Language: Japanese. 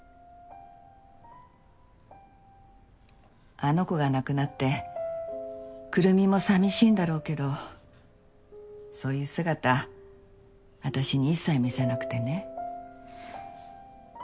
あの子が亡くなってくるみも寂しいんだろうけどそういう姿私に一切見せなくてね。